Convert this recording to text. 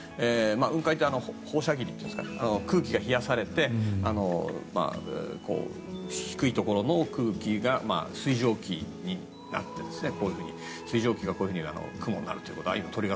雲海って放射冷却っていうか空気が冷やされて低いところの空気が水蒸気になってこういうふうに雲になるということです。